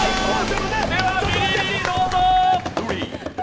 ではビリビリどうぞ！